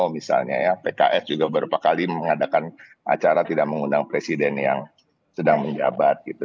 misalnya ya pks juga berapa kali mengadakan acara tidak mengundang presiden yang sedang menjabat gitu